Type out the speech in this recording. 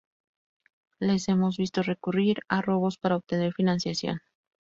Les hemos visto recurrir a robo para obtener financiación.